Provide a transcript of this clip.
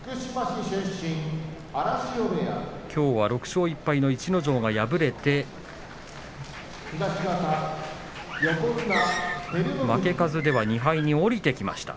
きょうは６勝１敗の逸ノ城が敗れて負け数では２敗に下りてきました。